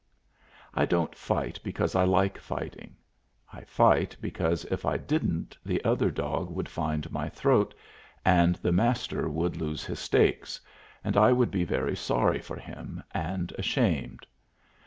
I don't fight because I like fighting. I fight because if I didn't the other dog would find my throat, and the Master would lose his stakes, and I would be very sorry for him, and ashamed.